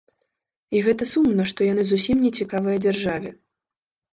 І гэта сумна, што яны зусім не цікавыя дзяржаве.